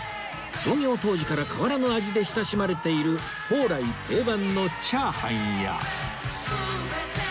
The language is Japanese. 創業当時から変わらぬ味で親しまれている宝来定番の炒飯や